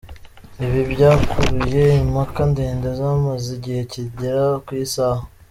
Ibi byakuruye impaka ndende zamaze igihe kigera ku isaha.